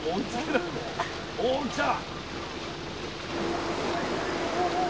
お来た。